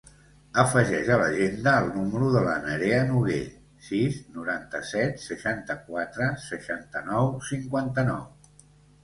Afegeix a l'agenda el número de la Nerea Noguer: sis, noranta-set, seixanta-quatre, seixanta-nou, cinquanta-nou.